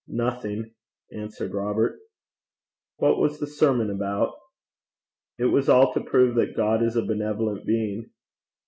'Nothing,' answered Robert. 'What was the sermon about?' 'It was all to prove that God is a benevolent being.'